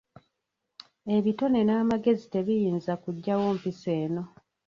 Ebitone n'amagezi tebiyinza kuggyawo mpisa eno.